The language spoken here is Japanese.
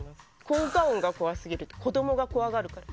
効果音が怖すぎるとか子供が怖がるから。